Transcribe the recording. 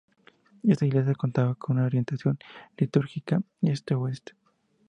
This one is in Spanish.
Esta iglesia contaba con una orientación litúrgica este-oeste.